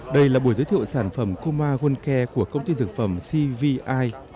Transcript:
đây là buổi giới thiệu sản phẩm coma one care của công ty dược phẩm cvi